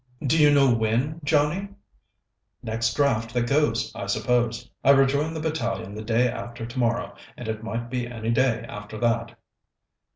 "Do you know when, Johnnie?" "Next draft that goes, I suppose. I rejoin the battalion the day after tomorrow, and it might be any day after that."